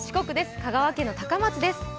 香川県高松市です。